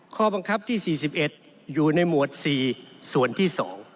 ข้อบังคับที่๔๑อยู่ในหมวด๔ส่วนที่๒